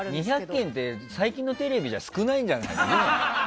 ２００件って最近のテレビじゃ少ないんじゃない？